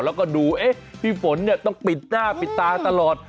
แล้วก็ดูพี่ฝนต้องปิดหน้าปิดตาตลอด